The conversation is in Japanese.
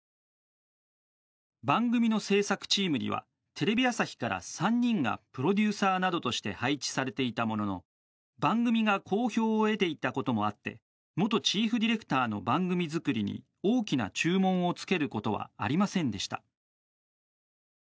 番組の制作チームにはテレビ朝日から３人がプロデューサーなどとして配置されていたものの番組が好評を得ていたこともあって元チーフディレクターの番組作りに大きな注文をつけることはありませんでした。